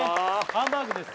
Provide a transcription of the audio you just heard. ハンバーグです